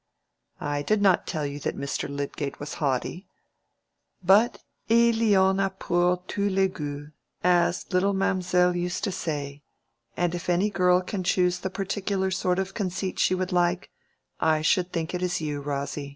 "I did not tell you that Mr. Lydgate was haughty; but il y en a pour tous les goûts, as little Mamselle used to say, and if any girl can choose the particular sort of conceit she would like, I should think it is you, Rosy."